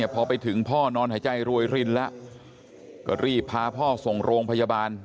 พอไปถึงพ่อนอนหายใจรวยรินแล้วก็รีบพาพ่อส่งโรงพยาบาล